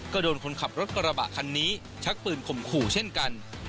ก็โดนคนขับรถกระบะคันนี้ชักปืนข่มขู่เช่นกัน